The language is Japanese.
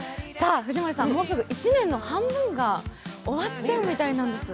藤森さん、もうすぐ１年の半分が終わっちゃうみたいなんです。